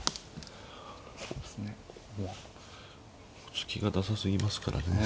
突きがダサすぎますからね。